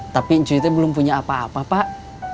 tapi cerita belum punya apa apa pak